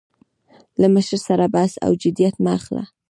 له مشر سره بحث او جدیت مه اخله.